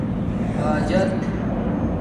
حاجت